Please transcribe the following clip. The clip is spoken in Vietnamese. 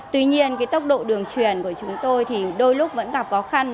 tuy nhiên tốc độ đường truyền của chúng tôi đôi lúc vẫn gặp khó khăn